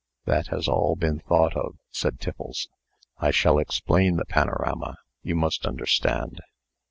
"That has all been thought of," said Tiffles. "I shall explain the panorama, you must understand.